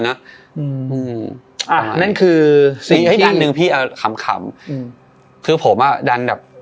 อ่านั่นคือสิ่งที่อีกอันหนึ่งพี่เอาคำคือผมอ่ะดันแบบ